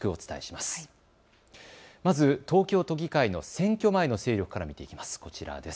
まず東京都議会の選挙前の勢力から見ていきます。